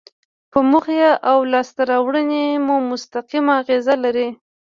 په موخې او لاسته راوړنې مو مستقیم اغیز لري.